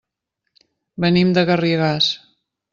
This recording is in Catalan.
Venim de Garrigàs.